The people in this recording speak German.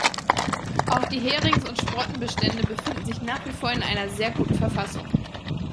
Auch die Herings- und Sprottenbestände befinden sich nach wie vor in einer sehr guten Verfassung.